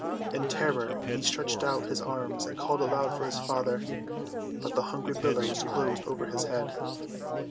In terror he stretched out his arms and called aloud for his father, but the hungry billows closed over his head.